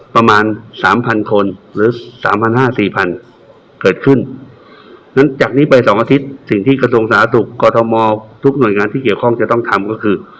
ประมาณสามพันคนหรือสามพันห้าสี่พันเกิดขึ้นฉะนั้นจากนี้ไปสองอาทิตย์สิ่งที่กระทรวงสาธารณสุขกรทมทุกหน่วยงานที่เกี่ยวข้องจะต้องทำก็คือ